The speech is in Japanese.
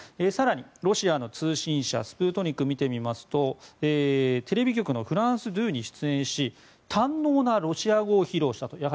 更にロシアの通信社スプートニクを見てみるとテレビ局のフランス２に出演し堪能なロシア語を披露したと。